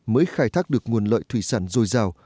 mới khai thác được nguồn lợi thủy sản dồi dào